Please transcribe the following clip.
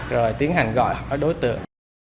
rồi tiến hành gọi hỏi đối tượng